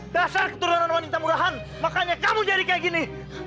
dasar keturunan wanita murahan makanya kamu jadi kayak gini